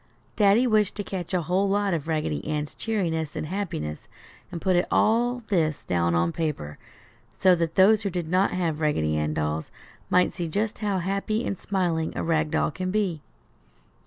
Daddy wished to catch a whole lot of Raggedy Ann's cheeriness and happiness and put all this down on paper, so that those who did not have Raggedy Ann dolls might see just how happy and smiling a rag doll can be.